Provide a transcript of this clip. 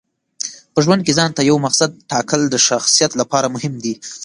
په ژوند کې ځانته یو مقصد ټاکل د شخصیت لپاره مهم دي.